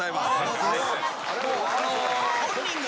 本人が？